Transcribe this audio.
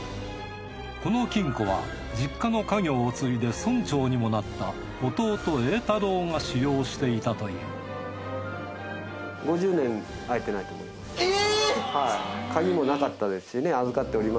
この金庫は実家の家業を継いで村長にもなった弟英太郎が使用していたというえぇ！？